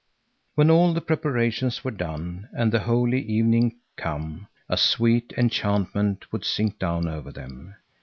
When all the preparations were done and the holy evening come, a sweet enchantment would sink down over them.